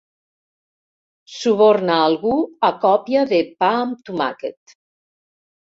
Suborna algú a còpia de pa amb tomàquet.